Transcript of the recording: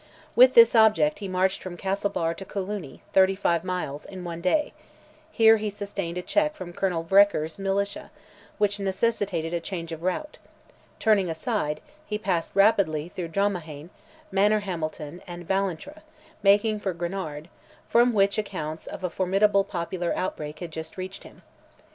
With this object he marched from Castlebar to Cooloney (35 miles), in one day; here he sustained a check from Colonel Vereker's militia, which necessitated a change of route; turning aside, he passed rapidly through Dromahaine, Manor Hamilton, and Ballintra, making for Granard, from which accounts of a formidable popular outbreak had just reached him.